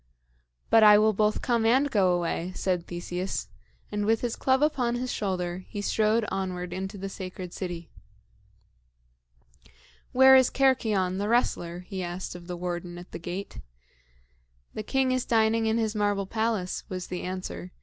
"But I will both come and go away," said Theseus; and with his club upon his shoulder, he strode onward into the sacred city. "Where is Cercyon, the wrestler?" he asked of the warden at the gate. "The king is dining in his marble palace," was the answer.